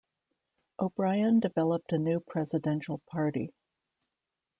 O'Brien developed a new presidential party.